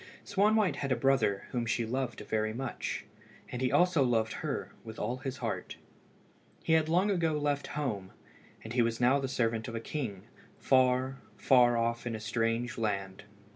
Swanwhite had a brother whom she loved very much, and he also loved her with all his heart. He had long ago left home, and he was now the servant of a king, far, far off in a strange land.